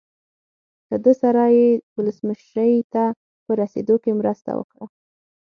له ده سره یې ولسمشرۍ ته په رسېدو کې مرسته وکړه.